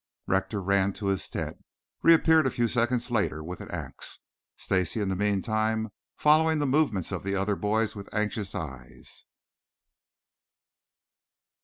Rector ran to his tent, reappearing at few seconds later with an axe, Stacy in the meantime following the movements of the other boy with anxious eyes.